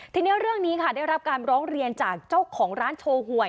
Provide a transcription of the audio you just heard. ทีนี้เรื่องนี้ค่ะได้รับการร้องเรียนจากเจ้าของร้านโชว์หวย